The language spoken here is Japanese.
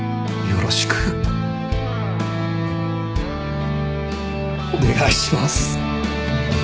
よろしくお願いします。